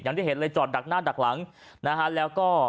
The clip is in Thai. อย่างที่เห็นเลยจอดดักหน้าดักหลังนะฮะแล้วก็